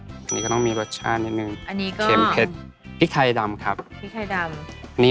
อันนี้ก็ต้องมีรสชาตินิดนึงอันนี้ก็เข็มเผ็ดพริกไทยดำครับพริกไทยดำ